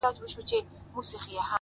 خداى خو دې هركله د سترگو سيند بهانه لري;